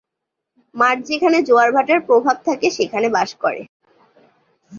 মাঠ যেখানে জোয়ার-ভাটার প্রভাব থাকে সেখানে বাস করে।